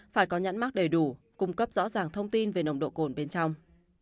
phải có nhãn mắc đầy đủ cung cấp rõ ràng thông tin về nồng độ cồn bên trong